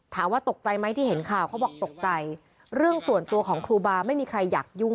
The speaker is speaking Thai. ถามว่าตกใจไหมที่เห็นข่าวเขาบอกตกใจเรื่องส่วนตัวของครูบาไม่มีใครอยากยุ่ง